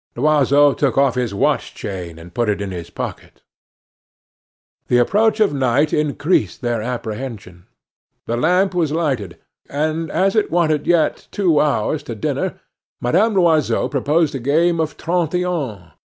Loiseau took off his watch chain, and put it in his pocket. The approach of night increased their apprehension. The lamp was lighted, and as it wanted yet two hours to dinner Madame Loiseau proposed a game of trente et un.